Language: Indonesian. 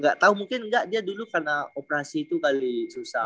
gak tau mungkin enggak dia dulu karena operasi itu kali susah